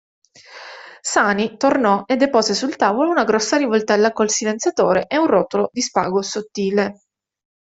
Sani tornò e depose sul tavolo una grossa rivoltella col silenziatore e un rotolo di spago sottile.